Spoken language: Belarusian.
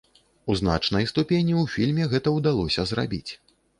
У значнай ступені ў фільме гэта ўдалося зрабіць.